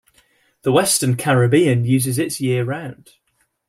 The western Caribbean uses it year round.